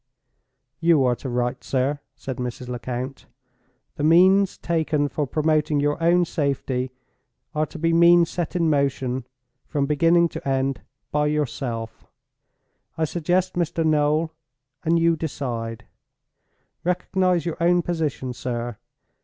"You are to write, sir," said Mrs. Lecount. "The means taken for promoting your own safety are to be means set in motion, from beginning to end, by yourself. I suggest, Mr. Noel—and you decide. Recognize your own position, sir.